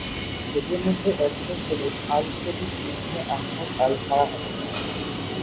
এদের মধ্যে একজন হলেন আল-খলিল ইবনে আহমদ আল-ফারাহাদি।